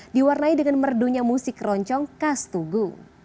diwarnai dengan merdunya musik roncong kastugu